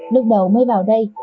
lúc đầu mới vào đây